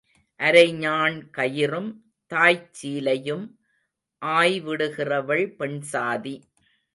அரைஞாண் கயிறும் தாய்ச்சீலையும் ஆய்விடுகிறவள் பெண்சாதி.